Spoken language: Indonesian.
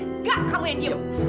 gak kamu yang diam